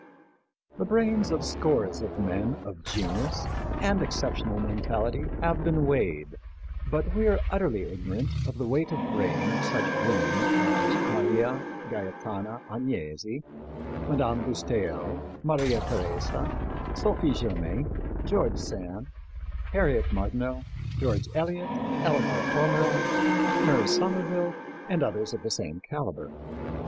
The brains of scores of men of genius and exceptional mentality have been weighed, but we are utterly ignorant of the weight of brain of such women as Maria Gaetana Agnesi, Madame de Staël, Maria Theresa, Sophie Germain, George Sand, Harriet Martineau, George Eliot, Eleanor Ormerod, Mary Somerville, and others of the same caliber.